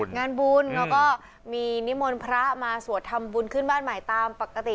งานบุญแล้วก็มีนิมนต์พระมาสวดทำบุญขึ้นบ้านใหม่ตามปกติ